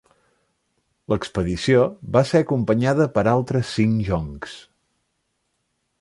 L'expedició va ser acompanyada per altres cinc joncs.